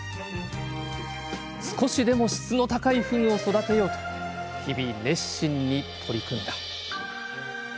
少しでも質の高いふぐを育てようと日々熱心に取り組んだ。